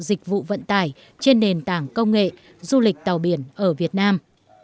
dịch vụ vận tải trên nền tảng công nghệ du lịch tàu biển ở việt nam